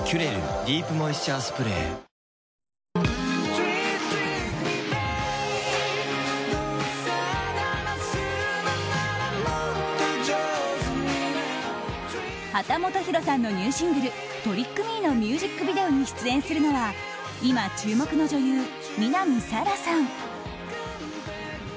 秦基博さんのニューシングル「Ｔｒｉｃｋｍｅ」のミュージックビデオに出演するのは今、注目の女優・南沙良さん。